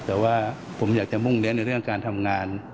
แต่ว่าผมอยากจะมุ่งเน้นในเรื่องการทำงาน